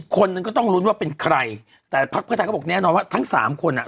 คนหนึ่งก็ต้องรู้ว่าเป็นใครแต่ภาคประธานเขาบอกแนะนำว่าทั้งสามคนอ่ะ